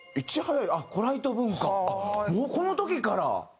もうこの時から？